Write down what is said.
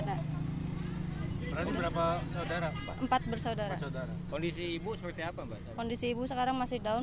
berarti berapa saudara empat bersaudara saudara kondisi ibu seperti apa mbak kondisi ibu sekarang masih down